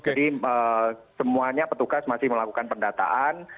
jadi semuanya petugas masih melakukan pendataan